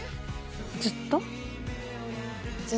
ずっと。